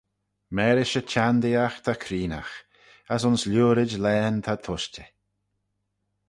Marish y chenndeeaght ta creenaght as ayns lhiurid laghyn ta tushtey.